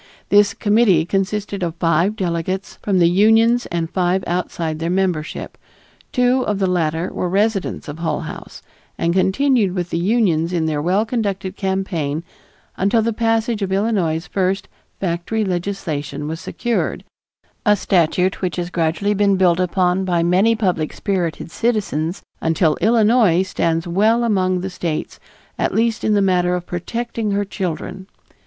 This committee consisted of five delegates from the unions and five outside their membership. Two of the latter were residents of Hull House, and continued with the unions in their well conducted campaign until the passage of Illinois's first Factory Legislation was secured, a statute which has gradually been built upon by many public spirited citizens until Illinois stands well among the States, at least in the matter of protecting her children.